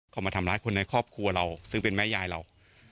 เขามาทำร้ายคนในครอบครัวเราซึ่งเป็นแม่ยายเรา